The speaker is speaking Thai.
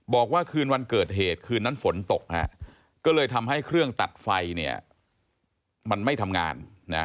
บอกว่าคืนวันเกิดเหตุคืนนั้นฝนตกก็เลยทำให้เครื่องตัดไฟเนี่ยมันไม่ทำงาน